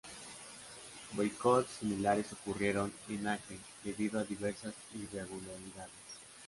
Boicots similares ocurrieron en Acre, debido a diversas irregularidades.